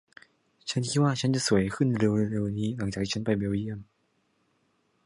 ฉันคิดว่าฉันจะสวยขึ้นเร็ว ๆ นี้หลังจากที่ฉันไปเบลเยี่ยม